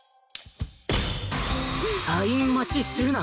サイン待ちするな